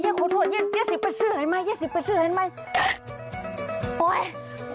ยายหลงกินน้ำไปยายขอโทษยายสิประสือให้ไหม